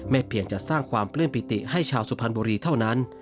เพียงจะสร้างความปลื้มปิติให้ชาวสุพรรณบุรีเท่านั้น